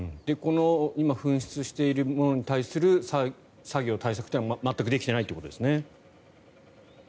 今噴出しているものに対する作業、対策は全くできていないということですね。